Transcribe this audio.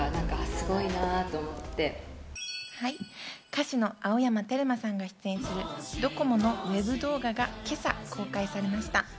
歌手の青山テルマさんが出演するｄｏｃｏｍｏのＷＥＢ動画が今朝公開されました。